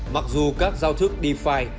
mặc dù các giao thức defi